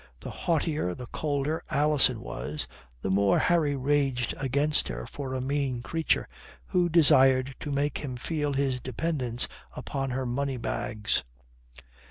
The haughtier, the colder Alison was, the more Harry raged against her for a mean creature who desired to make him feel his dependence upon her money bags.